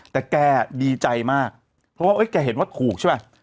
แต่แกดีใจมากเพราะว่าแกเห็นว่าถูกใช่ป่ะ